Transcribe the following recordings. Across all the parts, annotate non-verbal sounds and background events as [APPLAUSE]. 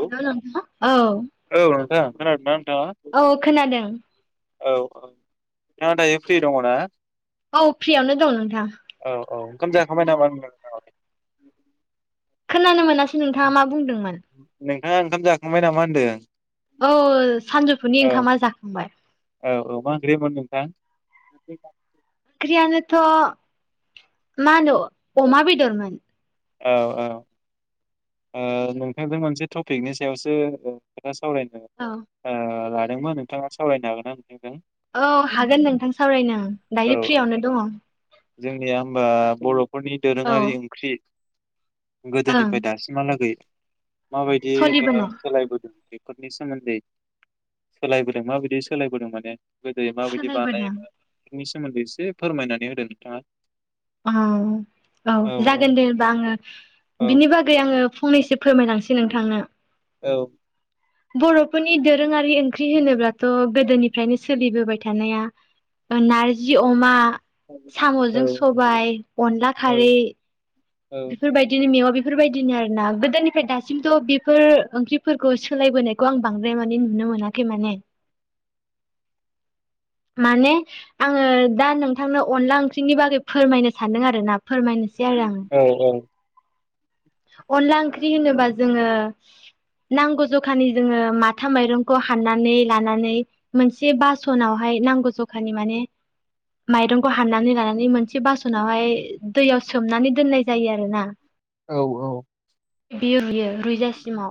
Hello नोंथां [INAUDIBLE] औ औ नोंथां खोनादोंना नोंथाङा? औ खोनादों। औ औ [INAUDIBLE] नाङा दायो फ्रि दङ ना? औ फ्रियावनो दं नोंथां। औ औ ओंखाम जाखांबाय नामा नोंथाङा लाय? खोनानो मोनासै नोंथाङा मा बुंदोंमोन नोंथाङा ओंखाम जाखांबाय नामा होनदों। औ सानजौफुनि औ ओंखामा जाखांबाय। औ औ मा ओंख्रिमोन नोंथां? आख्रिया नोथ' मा होनो अमा बेदर मोन। औ औ ओ नोंथांजों मोनसे टपिकनि सायावसो औ दोंमोन नोंथाङा सावरायनो हागोन ना? नोंथांजों? औ हागोन नोंथां सावरायनो औ दायो फ्रियावनो दङ। जोंनिया हबा बर' फोरनि दोरोङारि ओं ओंख्रि गोदोनिफाय याखै माबायदि आ सोलिबोनाय सोलायबोदों फोरनि सोमोन्दै सोलायबोदों माबायदि सोलायबोदों माने? गोदो माबायदि सोलायबोदों बानायोमोन फोरनि सो मोन्दै एसे फोरमायनानै होदो नोंथाङा। अ औ जागोन दे होनबा आङो औ बिनि बा गै आङो फंनैसो फोरमायलांसै नोंथांनो। औ बर'फोरनि दोरोङा रि ओंख्रि होनोब्लाथ' गोदोनिफ्रायनो सोलिबोबाय थानाया ओ नारजि अमा औ साम'जों सबाय अनला औ खारै औ बेफोरबायदिनो [UNINTELLIGIBLE] बेफोरबायदिनो आरो ना गोदोनिफ्राय दासिमथ' बेफोर ओंख्रिफोरखौ सोलायबोनायखौ आं बांद्राय माने नुनो मोनाखै माने। माने आङो दा नोंथांनाव अनला ओंख्रिनि बागै फोरमायनो सानदों आरो ना फोरमायनोसै आरो आं औ औ अनला ओंख्रि होनोबा जोङो नांगौ जखानि जोङो माथा माइरंखौ हाननानै लानानै मोनसे बासनावहाय नांगौ जखानि माने माइरंखौ हाननानै लानानै मोनसे बासनावहाय दैयाव सोमनानै दोननाय जायो आरोना औ औ बियो रुइयो रुइजासिमाव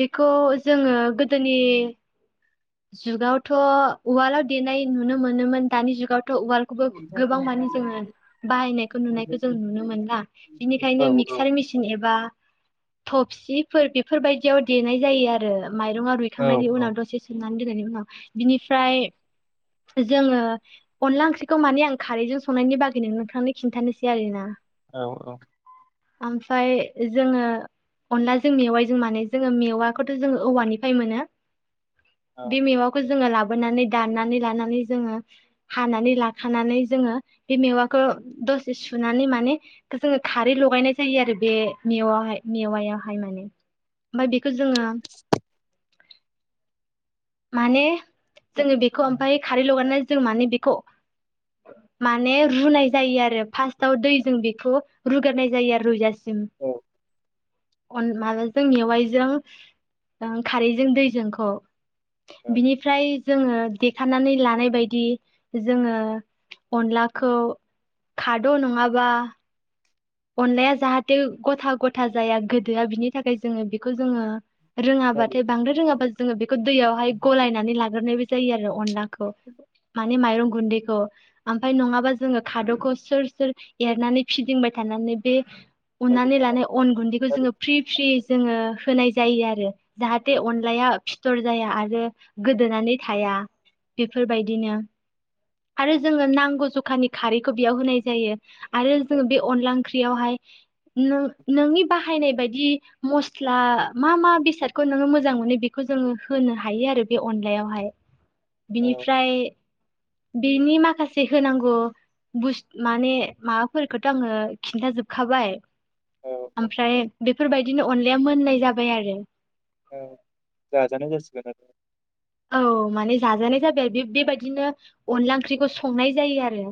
बेखौ जोङो गोदोनि जुगावथ' उवालाव देनाय नुनो मोनोमोन दानि जुगावथ' उवाल खौबो गोबां माने जोङो बाहायनायखौ नुनायखौ जों नुनो मोनला औ बिनिखायनो मिक्चार मेसिन एबा थफसिफोर बेफोरबायदियाव देनाय जायो आरो माइरङा रुइखांनायनि उनाव दसे संनानै दोननायनि उनाव बिनिफ्राय जोङो अनला ओंख्रिखौ माने आं खारैजों संनायनि बागैनो नोंथांनो खिन्थानोसै आरो ना औ औ ओमफ्राय जोङो अनलाजों मेवाइजों माने जोङो मेवाखौथ' जोङो औवानिफ्राय मोनो। औ बे मेवाखौ जोङो लाबो बोनानै दनानै लानानै जोङो हानानै लाखानानै जोङो बे मेवाखौ दसे सुनानै माने जोङो खारै लगायनाय जायो आरो बे मेवहाय मेवायावहाय माने। ओमफ्राय बेखौ जोङो माने जोङो बेखौ ओमफ्राय खारै लगायना जों माने बेखौ माने रुनाय जायो आरो फार्स्टाव दै जों बेखौ रुगारनाय जायो आरो रुइजासिम औ सिम न माबाजों मेवाइजों खारैजों दैजोंखौ बिनिफ्राय जोङो देखानानै लानायबायायदि जोङो अनलाखौ खाद' नङाबा अन जाहाथे गथा गथा जाया गोदोआ बिनि थाखाय जोङो बेखौ जोङो रोङाबाथाय बांद्राय रोङाबा जोङो बेखौ दैयावहाय गलायनानै लाग्रोनाय बे जायो आरो अनला खौ माने मायरं गुनदैखौ आमफ्राय नङाब्ला खादौखौ सोर सोर एरनानै फिदिंबाय थानानै थानानै बे उननानै लानाय अन गुन्दैखौ जोङो फ्रि फ्रि जोङो होनाय जायो जायो आरो जाहाथे अनलाया फिथर जाया आरो गोदोनानै थाया बेफोरबायदिनो आरो जोङो नांगौ जखानि खारैखौ बेयाव होनाय जायो आरो जोंङो बे अनला ओंख्रियावहाय नोंनि बाहायनाय बदि मस्ला मा मा बेसादखौ नोो मोजां मोनो बेखौ जोङो होनो हायो आरो बे अनलायावहाय बिनिफ्राय बेनि माखासे होनांगौ बस माने माबाफोरखौ थ' आङो खिन्थाजोबखाबाय ओमफ्राय बेफोरबायदिनो अनलाया मोनलनाय जाबाय आरो ओ जाजानाय जासिगोन आरो औ माने जाजानाय जाबाय आरो बेबायदिनो अनला ओंख्रिखौ संनाय जायो आरो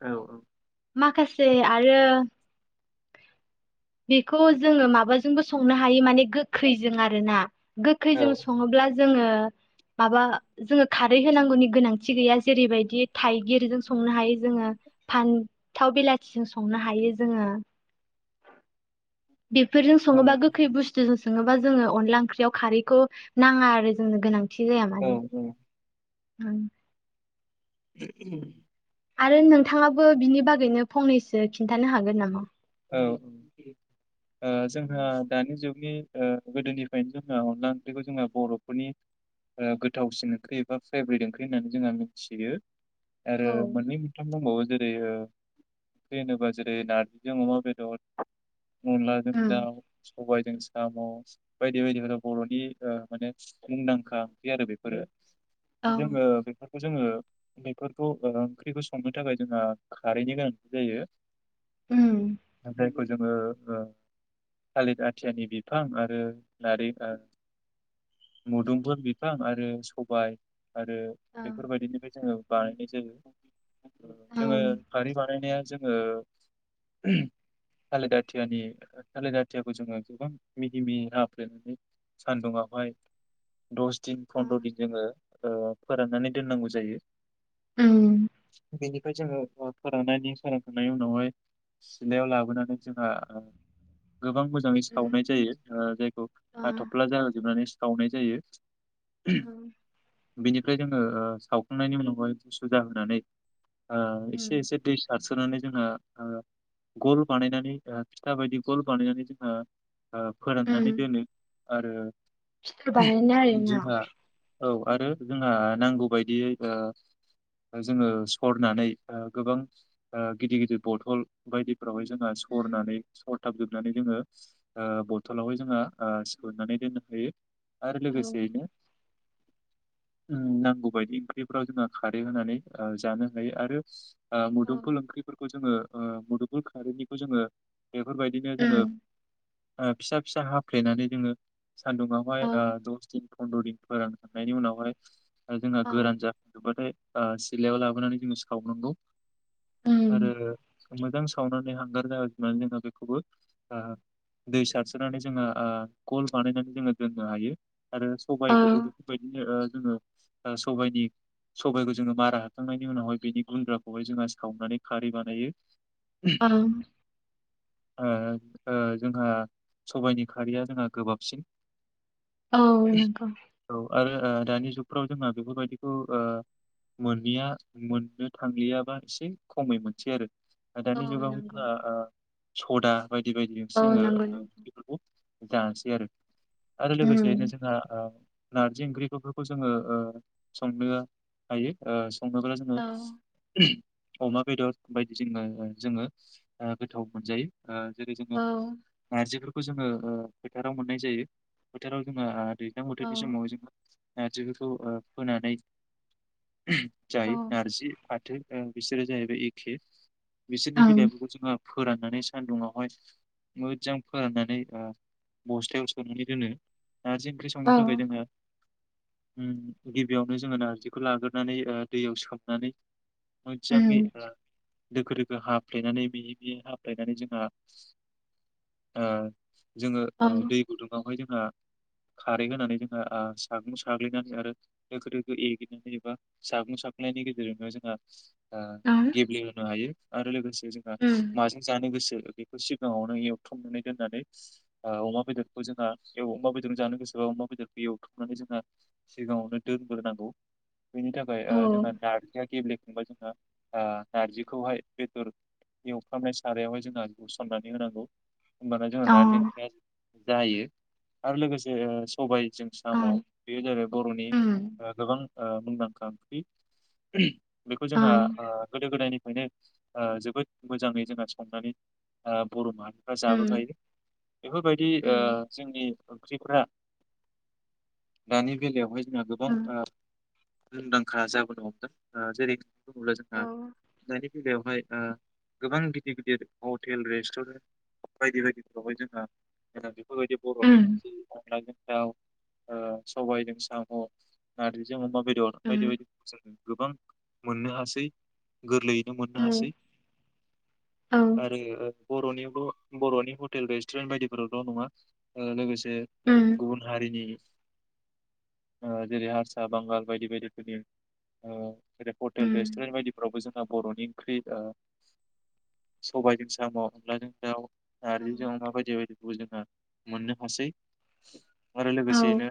औ औ माखासे आरो बेखौ जोङो माबाजोंबो संनो हायो माने गोखैजों आरोना औ गोखैजों सङोब्ला जोङो ब माबा जोङो खारै होनांगौनि गोनांथि गैया जेरैबायदि थाइगिरजों संनो हायो जोङो फान्थाव बिलाथिजों संनो हायो जोङो बेफोरजों औ सङोबा गोखै बुस्थुजों स सोङोबा जोङो अनला ओंख्रियाव खारैखौ नाङा आरो जोंनो गोनांथि थजाया मानिे उ [INAUDIBLE] आरो नोंथाङाबो बिनि बागैनो फंनैसो खिन्थानो हागोन नामा? औ औ जोंहा दानि जुग नि गोदोनिफ्रायनो जोंहा अनला ओंख्रिखौ जोंहा बर'फोरनि गोथावसिन ओंख्रि एबा फेभ्रेट ओंख्रि होननानै जोंहा मिथियो आरो उम मोननै मोनथाम दंबावो जेरै बेनो बास जेरै नारजिजों अमा बेदर अनलाजों उम दाउ सबायाइजों साम' बायदि बायदिफोरा बर'नि माने मुंदांखा ओंख्रि आरो बेफोरो ओं जोङो बेफोरखौ जोङो बेफोरखौ ओंख्रिखौ संनो थाखाय जोंहा खारैनि गोनांथि जायो। उम बेख जोङो ओ थालिर आथियानि बिफां आरो लारें मुदुमफोर बिफां आरो सबाय आरो उम बेफोरबायदिनिफ्राय जोङो बानायनाय जायो जोङो खारै बानायनाया जोङो थालिर आथियानि थालिर आथियाखौ जोङो गोबां मिहि मिहि हाफ्लेनानै सान्दुंङावहाय द दिन फन्द्र' अ दिन जोङो फोराननानै दोननांगौ जायो। उम बेनिफ्राय जोङो फोराननायनि [UNINTELLIGIBLE] न सिलायाव लाबोनानै जोंहा गोबां मोजाङै सावनाय जायो ओ जायखौ हाथफ्ला जाहोजोबनानै सावनाय जायो बेनिफ्राय जोङो सावखांनायनि उनावहाय सुजा होनानै एसे एसे दै सारसोनानै जों [INAUDIBLE] ओ गल बानायनानै ओ फिथा बायदि गल बानायनानै जोंहा ओ फोराननानै उम दोनो आरो फिथर बानायनाय आरोना जोंहा औ आरो जोंहा नांगौ बदियै ओ जोङो सरनानै ओ गोबां ओ गिदिर गिदिर बथल बायदि यावहाय जोंहा उम सरनानै सरथाब जोब नानै जोङो बथलावहाय जोंहा ओ सोननानै दोननो हायो आरो औ लोगोगोसेयैनो नांगौबायायदि ओंख्रिफोराव जोंओ खारै होनानै जानो हायो आरो औ मुदुमफल ओंख्रिफोरखौ जोंओ ओ मुदुफुल खारैनिबो जोङो बेफोरबायदिनो जोङो उम फिसा फिसा हाफ्लेनानै जोङो सान्दुङावहाय औ ओ दस दिन फन्द्र' दिन फोरानखांनायनि उनावहाय जोंहा औ गोरान जाखांजोबबाथाय ओ सिलायाव लाबोनानै जोङो सावनांगौ आरो उम मोजां सावनानै हांगार ज जोबनानै जोङो बेखौबो दै आ सारस्रोनानै जोङो खल बानायनानै जोङो दोननो हायो। आरो औ सबायखौबो बेफोरबायदिनो ओ जोङो सबायनि सबायखौ जोङो मारा हाबखांनायनि उनावहाय बेनि गुन्द्राखौहाय जोङो सावनानै खारि बानायो ओं। ओं ओ जोंहा सबायाइनि खारैया जोंहा गोबाबसिन औ नंगौ। औ आरो ओ दानि जुगफ्राव जोंहा बेफोरबायदिखौआ मोननिया मोननो थांलियाबा एसेै खमै मोनसेै आरो औ दानि जुगाव नंगौ आ आ सदा बायदि औ बायदिजोंसो नंगौ जङोफोरखौ दासि आरो आरो लोगोसेनो उम जोंहा आ नारजि ओंख्रिफोरखौ जोङो ओ संनो हायो ओ संनोब्ला जोङो औ अमा बेदर बायदि जोङो जोङो गोथाव मोनजायो आ जेरै जोङो औ नारजि खौ ओ जोङो फोथाराव मोननाय जायो फोथाराव जों दैज्लां औ बोथोरनि समाव जोङो नारजिफोरखौ ओ फोनानै औ जायो ओं नारजि फाथो ओ बिसोर जाहैबाय एखे बिसोरनि औ उम बिलाइफोरखौ जोंहा फोराननानै सान्दुंङावहाय मोजां फोराननानै ओ बस्थायाव सोनानै दोनो नारजि ओंख्रि संनो औ थाखाय जोङो ओम गिबियावनो जोङो नारजिखौ लाग्रोनानै ओ दैयाव सोमनानै मोनजांयै ओ दोखो दोखो हाफ्लेनानै बेयै बेयै हाफ्लेनानै जोंहा ओ जोङो ओ दै गुदुङावहाय जों खारै होनानै जोंहा आ सागं साग्लिनानै आरो दोखो दोखो एग्लिनानै एबा सागं साग्लिनायनि गेजेरजोंनो जोंहा [UNINTELLIGIBLE] आ ओं गेब्लेहोनो हायो आरो लोगोसे जोंहा उम माजों जानो गोसो बेखौ सिगाङावनो एवथमनानै दोननानै ओ अमा बेदरखौ जोंहा अमा बेदर जानो गोसोबा अमा बेदरखौ एवथमनानै जोंहा सिगाङावनो दोनग्रोनांगौ बेनि थाखाय ओ जोंहा औ नारजिया गेब्ले बा जोंहा आ नारजिखौहाय बेदर एवफ्रामनाय सारायावहाय जोंहा लुसननानै होनांगौ होमबाना जोंहा नारजि ओंख्रिया जायो आरो लोगोसे सबाय जों साम' बेयो जाबाय बर'नि ओ गोबां ओ मुंदांखा ओंख्रि बेखौ जोंहा ओ गोदो गोदायनिफ्रायनो ओ जोबोद मोजाङै जोंहा संनानै ओ बर' माहारि फ्रा जाबो खायो बेफोरक्षबायदि ओ जोंनि ओंख्रिफ्रा दानि बेलायावहाय जोंहा गोबां ओ मुंदांखा जाबोनो हमदों ओ जेरै बुङोब्ला जोंहा दानि बेलायावहाय ओ गोबां गिदिर गिदिर हटेल रेस्टुरेन्ट बायदि बायदिफोरावहाय जोंहा होजादों बेफोरबायदि बर'नि ओंख्रि अनलाजों दाव ओ सबायजों साम' नारजिजों अमा बेद दर बायदि बायदिजों गोबां मोननो हासै गोरलै मोननो हासै आरो ओ बर'निल' बर'नि हटेल रेस्टुरेन्ट बायदिफोरावल' नङा लोगोसे गुबुन हारिनि जेरै हारसा बांगाल बायदि बायदिफोरनि जेरै हटेल रेस्टुरेन्ट बायदिफ्रावबो जोंहा बर'नि ओंख्रि सबायजों साम' अनलाजों सउ आरोार ज माबाय ज जोङो मोननो हासै आरो लोगोसेयैनो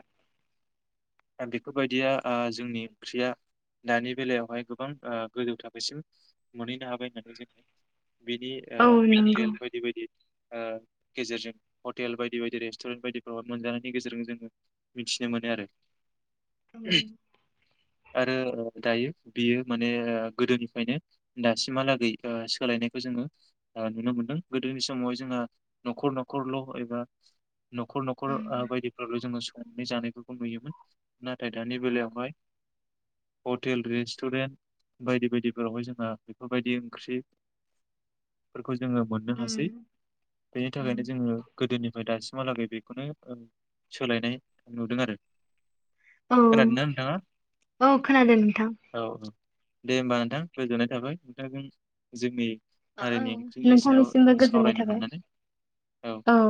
द बेफोरबायदिया जोंनि ओंख्रिया दानि बेलायावहाय गोबां गोजौ थाखोसिम मोनहैनो ह बायनानै जोङो बिनि हटेल बायदि बायदि ओ गेजेरजों हटेल बायदि बायदि रेस्टुरेन्ट बायदिफोराव मोनजानायनि गेजेरजों जोङो मिथिनो मोनो आरो [INAUDIBLE] आरो दायो बियो माने गोदोनिफ्रायनो दासिमहालागै सोलायनायखौ जोङो नुनो मोनदों गोदोनि समाव जोंहा न'खर न'खरल' एबा न'खर न'खर ओ बायदिफ्राल' जोङो संनाय जानायखौ नुयोमोन नाथाय दानि बेलायावहाय हटेल रेस्टुरेन्ट बायदि बायदिफोरावहाय जोंहा बेफोरबायदि ओंख्रि फोर खौ जोङो मोननो हासै बेनि थाखायनो जोङो गोदोनिफ्राय दासि हालागै बेखौनो सोलायनाय नुदों आरो औ खोनादोंना नोंथाङा औ खोनादों नोंथां औ दे होमबा नोंथां गोजोननाय थाबाय नोंथांजों जोंनि ओ औ हारिनि ओंख्रिनि सायाव नोंथांनिसिमबो गोजोननाय सावरायनो थाबाय मोननानै औ